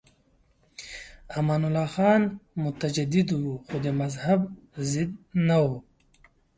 امان الله خان متجدد و خو د مذهب ضد نه و.